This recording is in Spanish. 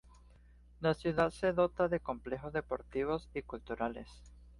La ciudad se dota de complejos deportivos y culturales.